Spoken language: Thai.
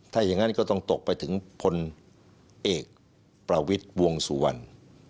ถ้าอย่างนั้นก็ต้องตกไปถึงพลเอกประวิทย์วงสุวรรณ